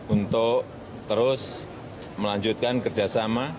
untuk terus melanjutkan kerjasama